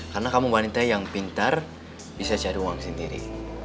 karena kamu wanita yang pintar bisa cari uang sendiri